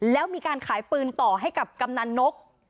แล้วมีการขายปืนต่อให้กับกำนันนก